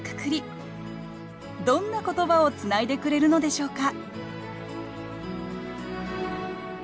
どんな言葉をつないでくれるのでしょうか